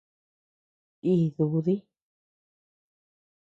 Chí dúdi.